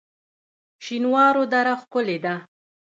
شینوارو دره ښکلې ده؟